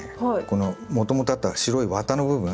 このもともとあった白いわたの部分？